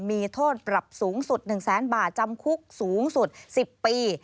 มีโทษปรับสูงสุด๑แสนบาทจำคุกสูงสุด๑๐ปี